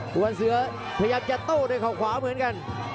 พยายามจะโตตในเขาขวาเหมือนกัน